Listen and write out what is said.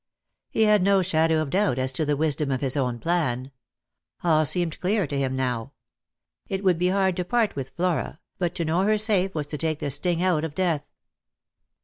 He had no shadow of doubt as to the wisdom of his own plan. All seemed clear to him now. It would be hard to part with Flora, but to know her safe ^as to take the sting out of death.